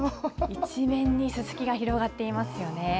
一面にすすきが広がっていますよね。